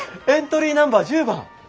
エントリーナンバー１０番。